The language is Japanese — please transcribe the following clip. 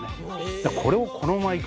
だからこれをこのままいく。